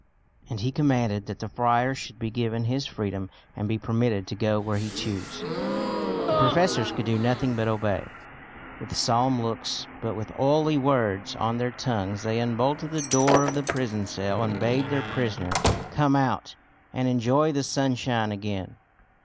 And he commanded that the friar should be given his freedom and be permitted to go where he chose. The professors could do nothing but obey. With solemn looks, but with oily words on their tongues, they unbolted the door of the prison cell and bade their prisoner come out and enjoy the sunshine again.